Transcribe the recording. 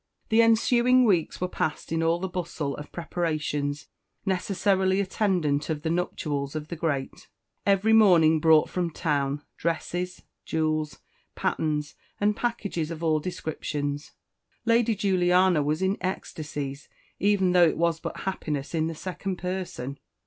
The ensuing weeks were passed in all the bustle of preparations necessarily attendant on the nuptials of the great. Every morning brought from Town dresses, jewels, patterns, and packages of all descriptions. Lady Juliana was in ecstasies, even though it was but happiness in the second person.